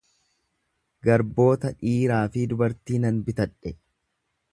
Garboota dhiiraa fi dubartii nan bitadhe,